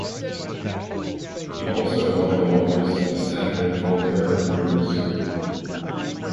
He also held the office of senator for Veracruz.